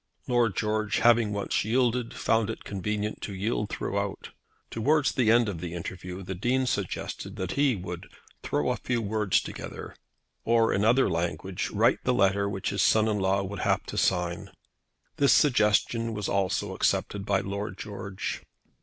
Lord George having once yielded, found it convenient to yield throughout. Towards the end of the interview the Dean suggested that he would "throw a few words together," or, in other language, write the letter which his son in law would have to sign. This suggestion was also accepted by Lord George.